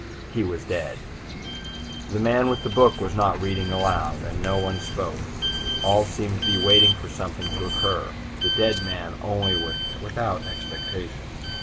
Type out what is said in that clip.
He was dead. The man with the book was not reading aloud, and no one spoke; all seemed to be waiting for something to occur; the dead man only was without expectation.